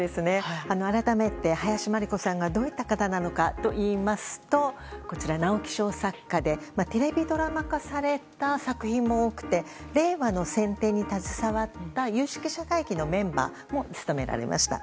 改めて、林真理子さんがどういった方なのかといいますと直木賞作家でテレビドラマ化された作品も多くて令和の選定に携わった有識者会議のメンバーも務められました。